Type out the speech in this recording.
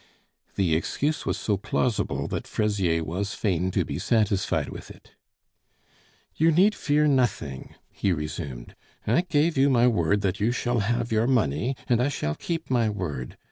The excuse was so plausible that Fraisier was fain to be satisfied with it. "You need fear nothing," he resumed. "I gave you my word that you shall have your money, and I shall keep my word.